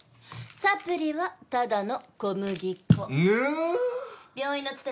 サプリはただの小麦粉。ぬ！？